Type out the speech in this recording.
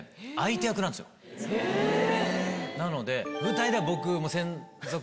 なので。